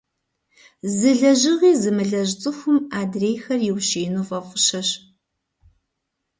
Зы лэжьыгъи зымылэжь цӀыхум адрейхэр иущиину фӀэфӀыщэщ.